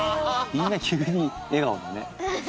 みんな急に笑顔だね。